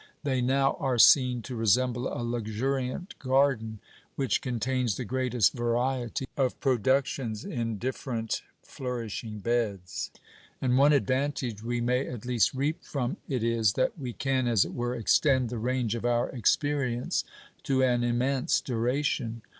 They now are seen to resemble a luxuriant garden which contains the greatest variety of productions in different flourishing beds; and one advantage we may at least reap from it is, that we can, as it were, extend the range of our experience to an immense duration.